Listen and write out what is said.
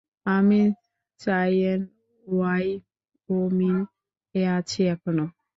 আমি চাইয়েন, ওয়াইওমিং-এ আছি এখনো।